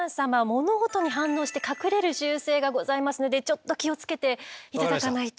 物音に反応して隠れる習性がございますのでちょっと気を付けて頂かないと。